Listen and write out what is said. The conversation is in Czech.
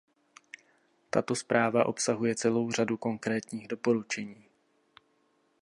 Tato zpráva obsahuje celou řadu konkrétních doporučení.